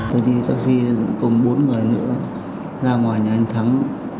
tôi đi taxi cùng bốn người nữa ra ngoài nhà anh thắng